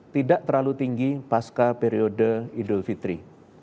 tidak terlalu tinggi pasca periode idul fitri